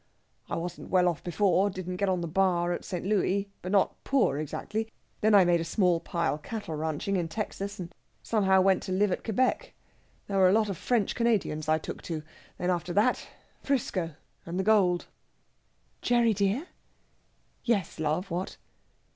"I wasn't well off before didn't get on at the Bar at St. Louis but not poor exactly. Then I made a small pile cattle ranching in Texas, and somehow went to live at Quebec. There were a lot of French Canadians I took to. Then after that, 'Frisco and the gold...." "Gerry dear!" "Yes, love, what?"